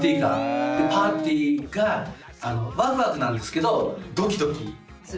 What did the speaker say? パーティーがワクワクなんですけどドキドキ。